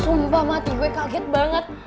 umpah mati gue kaget banget